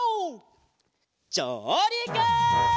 じょうりく！